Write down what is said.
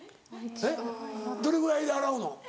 えっどれぐらいで洗うの？